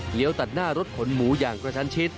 ตัดหน้ารถขนหมูอย่างกระชันชิด